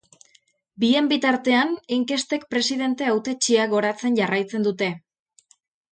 Bien bitartean, inkestek presidente hautetsia goratzen jarraitzen dute.